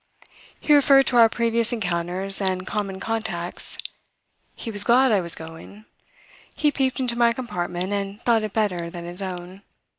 He referred to our previous encounters and common contacts he was glad I was going; he peeped into my compartment and thought it better than his own.